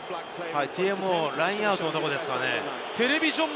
ＴＭＯ、ラインアウトのところですかね？